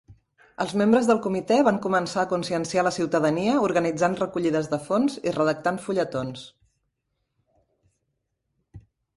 Els membres del comitè van començar a conscienciar la ciutadania organitzant recollides de fons i redactant fulletons.